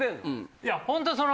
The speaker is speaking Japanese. いやホントにその。